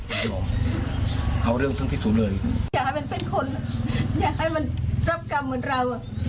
อยากให้เป็นเป็นคนอย่างให้มันรับกรรมเหมือนเรา